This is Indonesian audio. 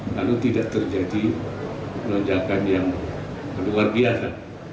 lalu tidak terjadi lonjakan yang luar biasa